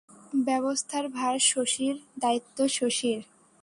ব্যবস্থার ভার শশীর, দায়িত্ব শশীর।